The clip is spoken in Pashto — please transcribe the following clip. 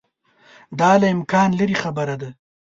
دا له امکانه لیري خبره ده.